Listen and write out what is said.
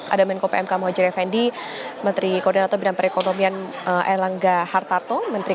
ada menko pmk muhajir effendi menteri koordinator bidang perekonomian erlangga hartarto menteri